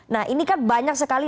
nah ini kan banyak sekali